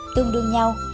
tương đương nhau